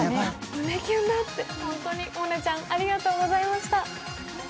胸キュンだって、本当に萌音ちゃんありがとうございました。